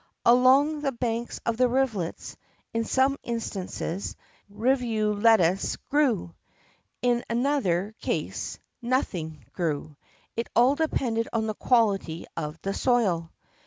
Along the banks of the rivulets, in some instances, rivulettuce grew. In other cases nothing grew. It all depended on the quality of the soil.